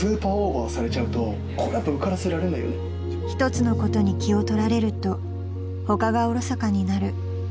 ［１つのことに気を取られると他がおろそかになる］